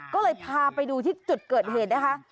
ก็เลยพาไปดูที่จุดเกิดเหตุนะคะ